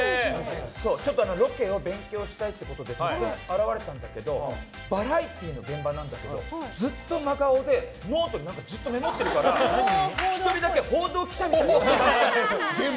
ロケを勉強したいということで突然現れたんだけどバラエティーの現場なんだけどずっと真顔でメモっているから１人だけ報道記者みたいになってるの。